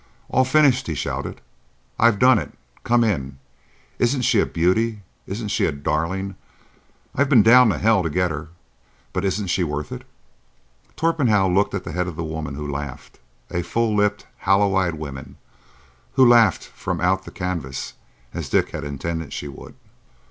"All finished!" he shouted. "I've done it! Come in! Isn't she a beauty? Isn't she a darling? I've been down to hell to get her; but isn't she worth it?" Torpenhow looked at the head of a woman who laughed,—a full lipped, hollow eyed woman who laughed from out of the canvas as Dick had intended she would.